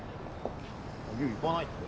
悠行かないって。